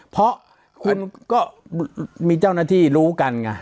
เพราะคุณก็มีเจ้าหน้าที่รู้กันไง